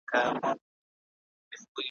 حرام كړى يې وو خوب د ماشومانو `